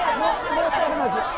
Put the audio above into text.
申し訳ないです。